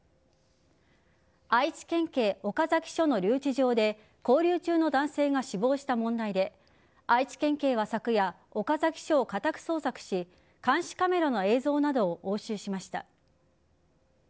愛知県警岡崎署の留置場で勾留中の男性が死亡した問題で愛知県警は昨夜、岡崎署を家宅捜索し監視カメラの映像などを押収しました。